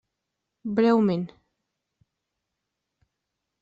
Breument.